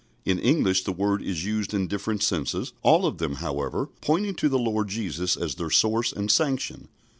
In English the word is used in different senses, all of them, however, pointing to the Lord Jesus as their source and sanction.